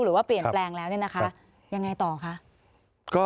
หรือว่าเปลี่ยนแปลงแล้วเนี่ยนะคะยังไงต่อคะ